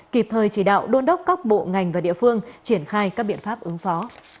kịp thời chỉ đạo đôn đốc các bộ ngành và địa phương triển khai các biện pháp ứng phó